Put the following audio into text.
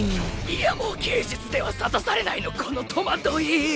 いやもう芸術では諭されないのこの戸惑い。